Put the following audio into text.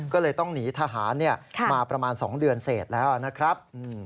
ก็เลยต้องหนีทหารมาประมาณ๒เดือนเสร็จแล้วนะครับ